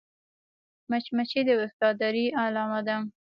مچمچۍ د وفادارۍ علامه ده